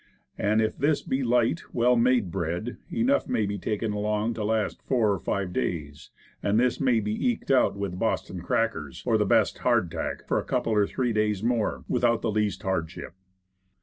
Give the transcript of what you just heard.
And if this be light well made bread, enough may be taken along to last four or five days, and this may be eked out with Boston crackers, or the best hard tack, for a couple or three days more, without the least hardship.